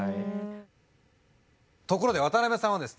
ところで渡辺さんはですね